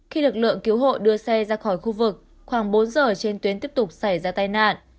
khi lực lượng cứu hộ đưa xe ra khỏi khu vực khoảng bốn giờ trên tuyến tiếp tục xảy ra tai nạn